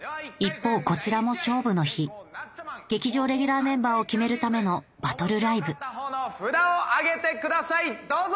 一方こちらも勝負の日劇場レギュラーメンバーを決めるためのバトルライブ札を挙げてくださいどうぞ！